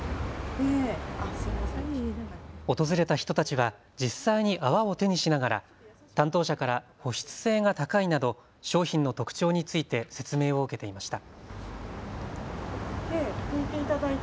訪れた人たちは実際に泡を手にしながら担当者から保湿性が高いなど商品の特徴について説明を受けていました。